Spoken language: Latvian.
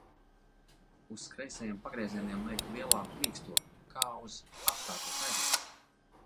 Uz kreisajiem pagriezieniem liek lielāku mīksto, kā uz apstāties aizliegts.